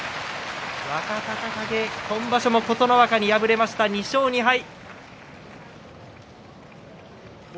若隆景、今場所も琴ノ若に敗れました、２勝２敗。